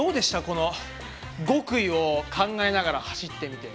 この極意を考えながら走ってみて。